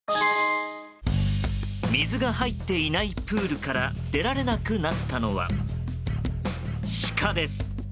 水が入っていないプールから出られなくなったのはシカです。